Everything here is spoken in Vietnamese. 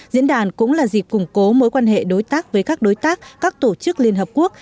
diễn đàn cũng là dịp củng cố mối quan hệ đối tác với các đối tác các tổ chức liên hợp quốc